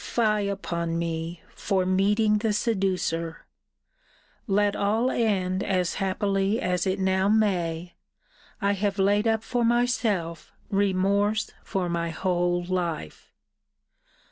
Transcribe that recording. Fie upon me! for meeting the seducer! Let all end as happily as it now may, I have laid up for myself remorse for my whole life.